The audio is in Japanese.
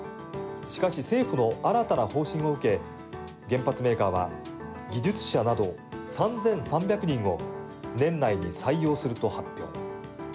しかし、政府の新たな方針を受け原発メーカーは技術者など３３００人を年内に採用すると発表。